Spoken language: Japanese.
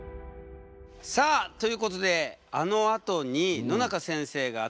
さあということであのあとに野中先生がえ！？